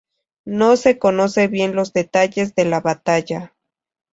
No se conocen bien los detalles de la batalla.